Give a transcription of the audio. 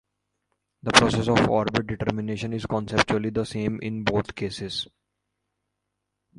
The process of orbit determination is conceptually the same in both cases.